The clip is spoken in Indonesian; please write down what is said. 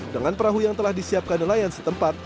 dengan perahu yang telah disiapkan nelayan setempat